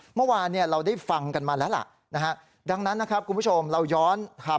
เมื่อวานเนี่ยเราได้ฟังกันมาแล้วล่ะนะฮะดังนั้นนะครับคุณผู้ชมเราย้อนถาม